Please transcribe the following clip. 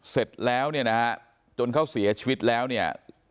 เสร็จแล้วเนี่ยนะฮะจนเขาเสียชีวิตแล้วเนี่ย